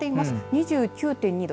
２９．２度。